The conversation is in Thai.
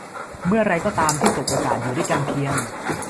เมื่อไรก็ตามที่สบโอกาสอยู่ด้วยกันเพียง